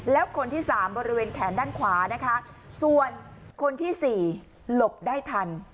แล้วคนที่สามบริเวณแขนด้านขวานะคะส่วนคนที่๔หลบได้ทัน